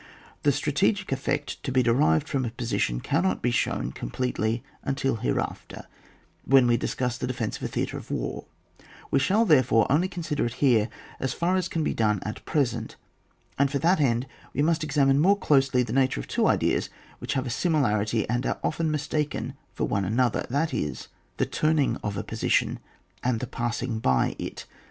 The strategic effect to be derived from a position cannot be shown completely until hereafter, when we discuss the defence of a theatre of war; we shall therefore only consider it here as far as can be done at present, and for that end we must examine more closely the nature of two ideas which have a similarity and are often mistaken for one another, that is, the turning a position, and the passing by it.